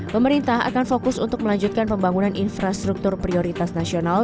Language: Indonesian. pemerintah akan fokus untuk melanjutkan pembangunan infrastruktur prioritas nasional